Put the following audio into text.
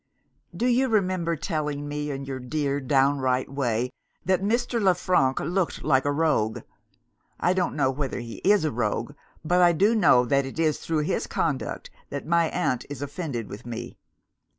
"Do you remember telling me, in your dear downright way, that Mr. Le Frank looked like a rogue? I don't know whether he is a rogue but I do know that it is through his conduct that my aunt is offended with me.